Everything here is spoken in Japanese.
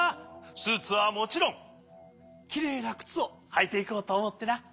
スーツはもちろんきれいなくつをはいていこうとおもってな。